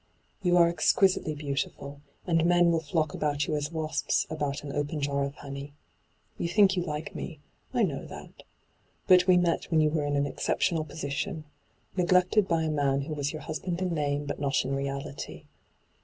Yon are exquisitely beautiful, and men will flock about you as wasps about an open jar of honey. You think you like me — I know that. But we met when you were in an exceptional position — neglected by a man who was your husband in name, but not in retJity.